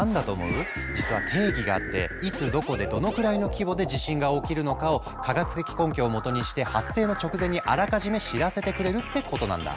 実は定義があっていつどこでどのくらいの規模で地震が起きるのかを科学的根拠をもとにして発生の直前にあらかじめ知らせてくれるってことなんだ。